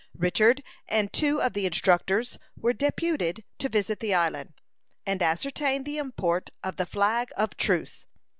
Richard and two of the instructors were deputed to visit the island, and ascertain the import of the "flag of truce."